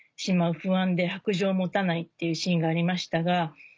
不安で白杖を持たないっていうシーンがありましたが。